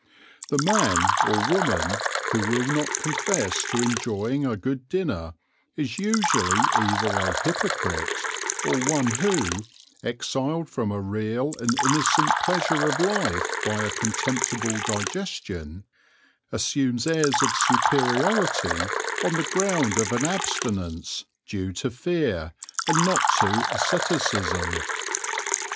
The man or woman who will not confess to enjoying a good dinner is usually either a hypocrite or one who, exiled from a real and innocent pleasure of life by a contemptible digestion, assumes airs of superiority on the ground of an abstinence due to fear and not to asceticism.